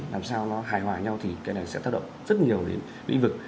làm sao nó hài hòa nhau thì cái này sẽ tác động rất nhiều đến lĩnh vực